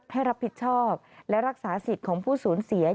ให้รับผิดชอบและรักษาสิทธิ์ของผู้สูญเสีย